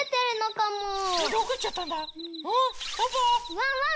ワンワン